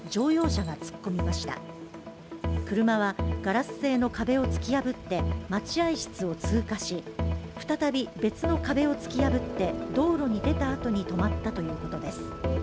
車はガラス製の壁を突き破って、待合室を通過し再び別の壁を突き破って道路にでたあとに止まったということです。